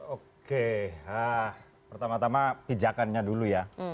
oke pertama tama pijakannya dulu ya